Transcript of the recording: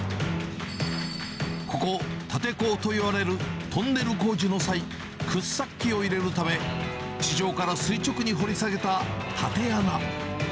ここ、立坑といわれるトンネル工事の際、掘削機を入れるため、地上から垂直に掘り下げた縦穴。